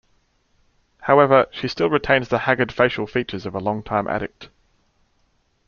However, she still retains the haggard facial features of a long-time addict.